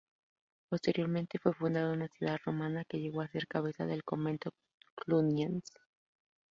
Posteriormente fue fundada una ciudad romana que llegó a ser cabeza del Convento Cluniacense.